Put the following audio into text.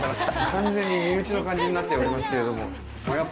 完全に身内の感じになっちゃいますけれども。